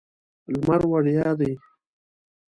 لمر وړیا دی.